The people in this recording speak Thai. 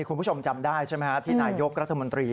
คุณผู้ชมจำได้ใช่ไหมฮะที่นายกรัฐมนตรี